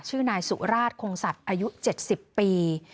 ชื่อนายสุราชคงสัตว์อายุ๗๐ปี